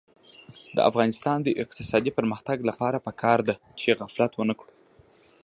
د افغانستان د اقتصادي پرمختګ لپاره پکار ده چې غفلت ونکړو.